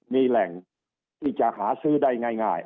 มีแหล่งที่จะหาซื้อได้ง่าย